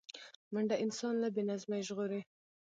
منډه انسان له بې نظمۍ ژغوري